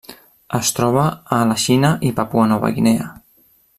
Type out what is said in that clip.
Es troba a la Xina i Papua Nova Guinea.